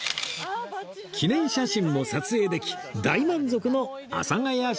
記念写真も撮影でき大満足の阿佐ヶ谷姉妹でした